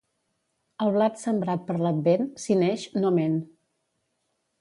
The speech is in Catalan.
El blat sembrat per l'Advent, si neix, no ment.